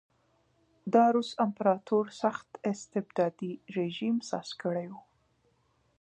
د روس امپراتور سخت استبدادي رژیم ساز کړی و.